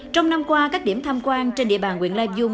trong năm qua các điểm tham quan trên địa bàn nguyện lai dung